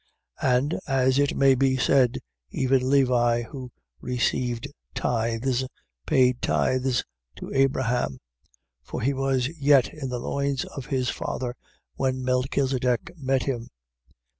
7:9. And (as it may be said) even Levi who received tithes paid tithes in Abraham: 7:10. For he was yet in the loins of his father when Melchisedech met him.